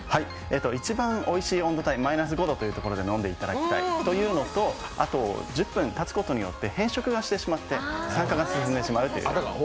一番おいしい温度帯、マイナス５度で飲んでもらいたいあと１０分たつことによって変色がしてしまって酸化が進んでしまうという。